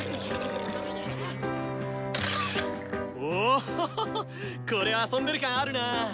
おこれ遊んでる感あるな。